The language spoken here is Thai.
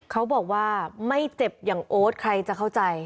เขาบอกว่าไม่เจ็บอย่างโอ๊ตใครจะเข้าใจ